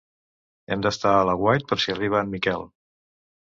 Hem d'estar a l'aguait per si arriba en Miquel.